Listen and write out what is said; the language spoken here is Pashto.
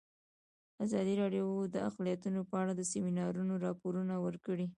ازادي راډیو د اقلیتونه په اړه د سیمینارونو راپورونه ورکړي.